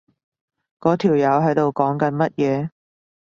嗰條友喺度講緊乜嘢？